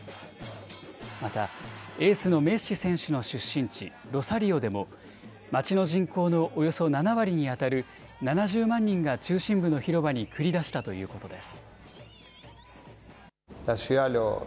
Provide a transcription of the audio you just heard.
またエースのメッシ選手の出身地、ロサリオでも街の人口のおよそ７割にあたる７０万人が中心部の広場に繰り出したということです。